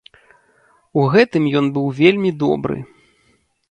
У гэтым ён быў вельмі добры.